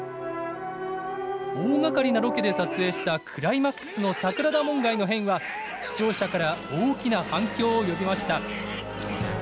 大がかりなロケで撮影したクライマックスの桜田門外の変は視聴者から大きな反響を呼びました。